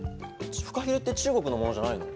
フカヒレって中国のものじゃないの？